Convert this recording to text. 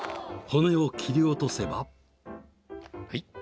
骨を切り落とせばはい。